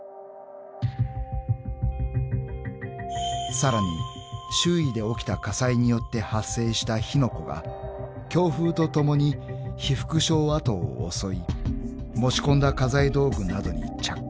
［さらに周囲で起きた火災によって発生した火の粉が強風とともに被服廠跡を襲い持ち込んだ家財道具などに着火］